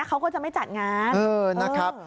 เขาก็จะไม่จัดงาน